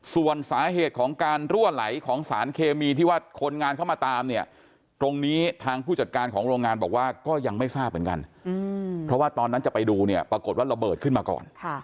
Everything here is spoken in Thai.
ส่วนสาเหตุของการรั่วไหลของสารเคมีที่ว่าคนงานเข้ามาตามเนี่ยตรงนี้ทางผู้จัดการของโรงงานบอกว่าก็ยังไม่ทราบเหมือนกันเพราะว่าตอนนั้นจะไปดูเนี่ยปรากฏว่าระเบิดขึ้นมาก่อน